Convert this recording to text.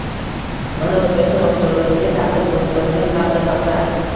Mana, O'zbekiston iqtisodiyotiga ta'sir ko'rsatadigan ba'zi faktlar: